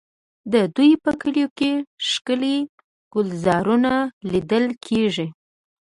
د دوی په کلیو کې ښکلي ګلزارونه لیدل کېږي.